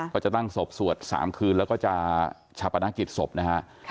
ก็จะตั้งศพสวดสามคืนแล้วก็จะฉับประนักกิจศพนะคะ